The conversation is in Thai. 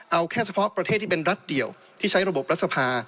เอาแค่เฉพาะประเทศที่เป็นรัฐเดียวที่ใช้ระบบรัฐสภา